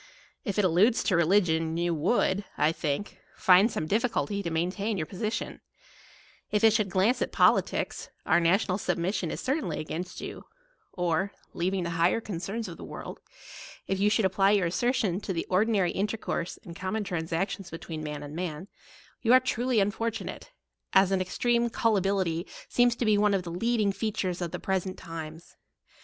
If it alludes to religion, you would, I think, find some difficulty to maintain your position : if it should glance at politicks, our national submission is certainly against you: or, leaving the higher concerns of the world, if you should apply your assertion to the or dinary intercourse and common transactions between man and man, you are truly unfor tunate, as an extreme Gullibility seems to be one of the leading features of the present times.